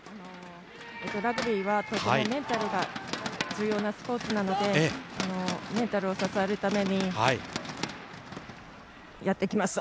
◆ラグビーはメンタルが重要なスポーツなので、メンタルを支えるためにやってきました。